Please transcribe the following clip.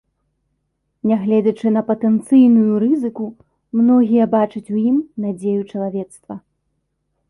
Нягледзячы на патэнцыйную рызыку, многія бачаць у ім надзею чалавецтва.